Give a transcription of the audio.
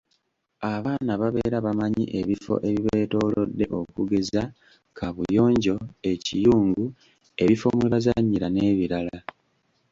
"Abaana babeera bamanyi ebifo ebibeetoolodde okugeza, kaabuyonjo, ekiyungu, ebifo mwe bazannyira n’ebirala."